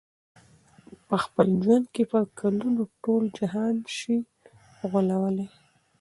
په خپل ژوند کي په کلونو، ټول جهان سې غولولای